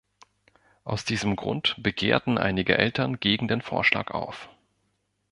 Aus diesem Grund begehrten einige Eltern gegen den Vorschlag auf.